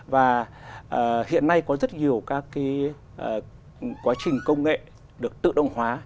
và hiện nay có rất nhiều các quá trình công nghệ được tự động hóa